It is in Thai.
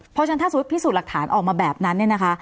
เพราะฉะนั้นถ้าสมมุติพิสูจน์หลักฐานออกมาแบบนั้นเนี่ยนะคะ